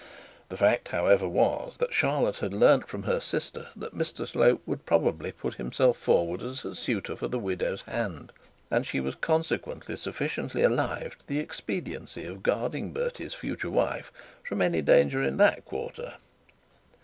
The fact, however, was, that Charlotte had learnt from her sister that Mr Slope would probably put himself forward as a suitor for the widow's hand, and she was consequently sufficiently alive to the expediency of guarding Bertie's future wife from any danger in that quarter.